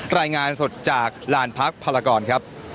รายงานสดจากลานพักพลากรครับ